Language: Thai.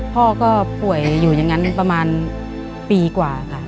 พ่อก็ป่วยอยู่อย่างนั้นประมาณปีกว่าค่ะ